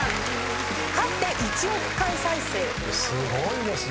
すごいですね。